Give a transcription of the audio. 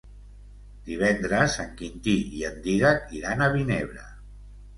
Divendres en Quintí i en Dídac iran a Vinebre.